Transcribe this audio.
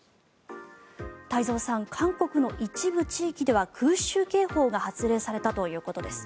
太蔵さん、韓国の一部地域では空襲警報が発令されたということです。